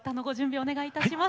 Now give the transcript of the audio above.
はいお願いします。